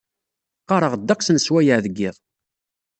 Qqareɣ ddeqs n swayeɛ deg iḍ.